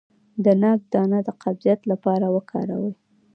د ناک دانه د قبضیت لپاره وکاروئ